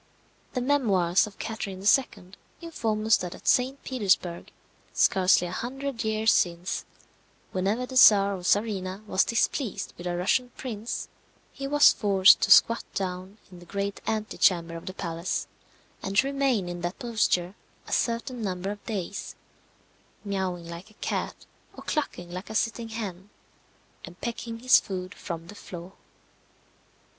The memoirs of Catherine II. inform us that at St. Petersburg, scarcely a hundred years since, whenever the czar or czarina was displeased with a Russian prince, he was forced to squat down in the great antechamber of the palace, and to remain in that posture a certain number of days, mewing like a cat, or clucking like a sitting hen, and pecking his food from the floor.